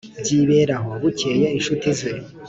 byibera aho. bukeye inshuti ze,